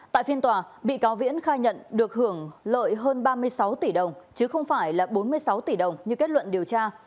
tại phiên tòa bị cáo viễn khai nhận được hưởng lợi hơn ba mươi sáu tỷ đồng chứ không phải là bốn mươi sáu tỷ đồng như kết luận điều tra